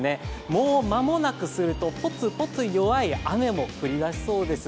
もう間もなくすると、ポツポツ弱い雨も降りだしそうです。